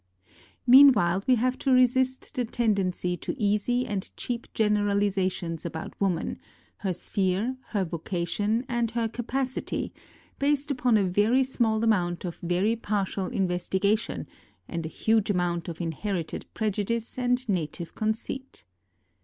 Meanwhile we have to resist the tendency to easy and cheap generalisations about woman, her sphere, her vocation, and her capacity, based upon a very small amount of very partial investigation and a huge amount of inherited prejudice and native conceit.